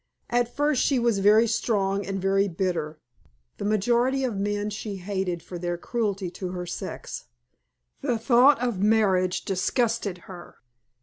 At first she was very strong and very bitter. The majority of men she hated for their cruelty to her sex. The thought of marriage disgusted her.